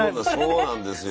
そうなんですよ。